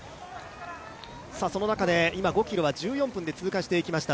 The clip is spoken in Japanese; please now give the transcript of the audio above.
その中で５ｋｍは１４分で通過していきました。